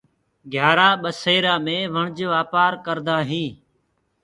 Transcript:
گھيآرآ ٻسيرآ مي وڻج وآپآر ڪردآ هينٚ۔